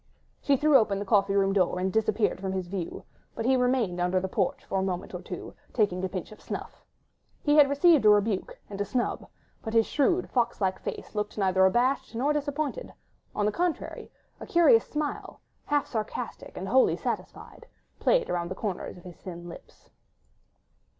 She threw open the coffee room door and disappeared from his view, but he remained under the porch for a moment or two, taking a pinch of snuff. He had received a rebuke and a snub, but his shrewd, fox like face looked neither abashed nor disappointed; on the contrary, a curious smile, half sarcastic and wholly satisfied, played around the corners of his thin lips.